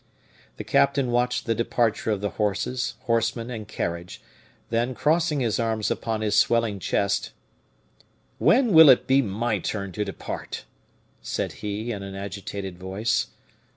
The captain watched the departure of the horses, horsemen, and carriage, then crossing his arms upon his swelling chest, "When will it be my turn to depart?" said he, in an agitated voice.